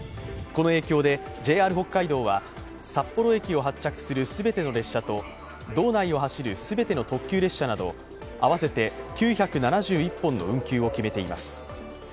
この影響でＪＲ北海道は、札幌駅を発着する全ての列車と道内を走る全ての特急列車など合わせて９７１本の運休を決めています。